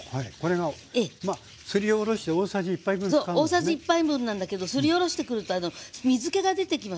大さじ１杯分なんだけどすりおろしてくると水けが出てきますよね。